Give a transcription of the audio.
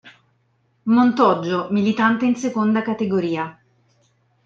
Montoggio, militante in Seconda Categoria.